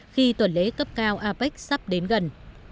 khi tuần lễ cấp cao apec sắp đến gần